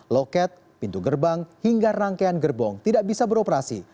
loket pintu gerbang hingga rangkaian gerbong tidak bisa beroperasi